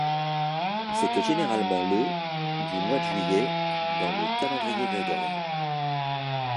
C'était généralement le du mois de juillet dans le calendrier grégorien.